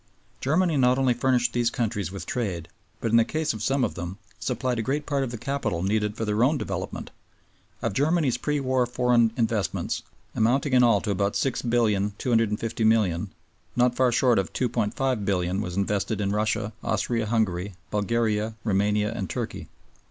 Germany not only furnished these countries with trade, but, in the case of some of them, supplied a great part of the capital needed for their own development. Of Germany's pre war foreign investments, amounting in all to about $6,250,000,000, not far short of $2,500,000,000 was invested in Russia, Austria Hungary, Bulgaria, Roumania, and Turkey.